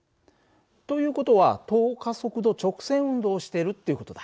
という事は等加速度直線運動をしてるっていう事だ。